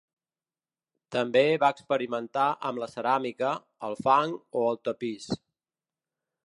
També va experimentar amb la ceràmica, el fang o el tapís.